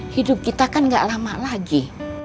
hidup kita kan gak lama lagi